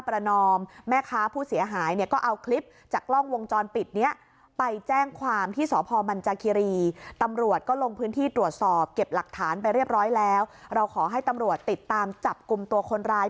เราสอบเก็บหลักฐานไปเรียบร้อยแล้วเราขอให้ตำรวจติดตามจับกลุ่มตัวคนร้าย